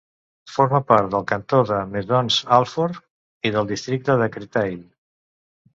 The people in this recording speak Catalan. Forma part del cantó de Maisons-Alfort i del districte de Créteil.